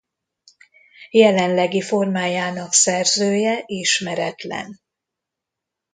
Jelenlegi formájának szerzője ismeretlen.